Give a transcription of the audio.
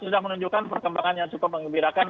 sudah menunjukkan perkembangan yang cukup mengembirakan